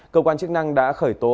cơ quan chức năng đã khởi tố